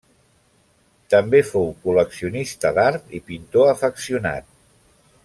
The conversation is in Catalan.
També fou col·leccionista d'art i pintor afeccionat.